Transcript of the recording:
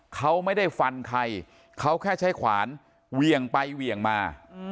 เขาไม่ได้ฟันใครเขาแค่ใช้ขวานเวี่ยงไปเหวี่ยงมา